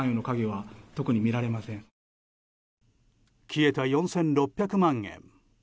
消えた４６００万円。